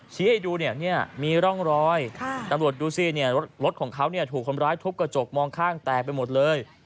ให้ดูเนี่ยมีร่องรอยตำรวจดูสิรถของเขาถูกคนร้ายทุบกระจกมองข้างแตกไปหมดเลย